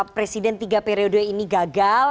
presiden tiga periode ini gagal